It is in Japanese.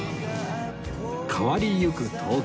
変わりゆく東京